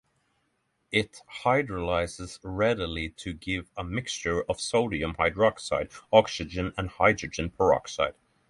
It hydrolyses readily to give a mixture of sodium hydroxide, oxygen and hydrogen peroxide.